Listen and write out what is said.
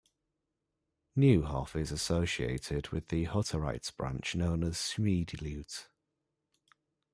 Neuhof is associated with the Hutterite branch known as Schmiedeleut.